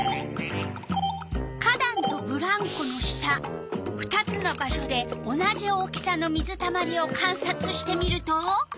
花だんとブランコの下２つの場所で同じ大きさの水たまりをかんさつしてみると。